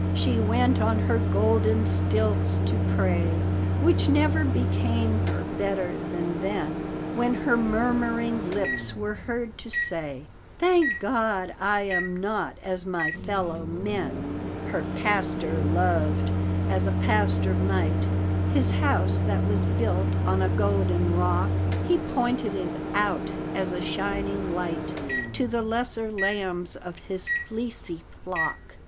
She went on her golden stilts to pray, Which never became her better than then, When her murmuring lips were heard to say, "Thank God, I am not as my fellow men!" Her pastor loved as a pastor might His house that was built on a golden rock; He pointed it out as a shining light To the lesser lambs of his fleecy flock.